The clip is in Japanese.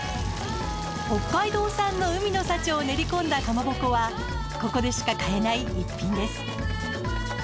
北海道産の海の幸を練りこんだかまぼこはここでしか買えない逸品です。